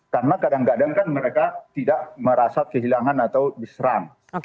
karena kadang kadang kan mereka tidak merasa kehilangan atau diserang